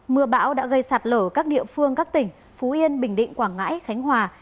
mưa bão đã gây sạt lở các địa phương các tỉnh phú yên bình định quảng ngãi khánh hòa